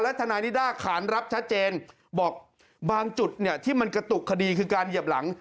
ทนายนิด้าขานรับชัดเจนบอกบางจุดเนี่ยที่มันกระตุกคดีคือการเหยียบหลัง